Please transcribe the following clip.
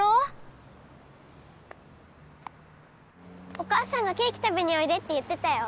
おかあさんが「ケーキたべにおいで」っていってたよ。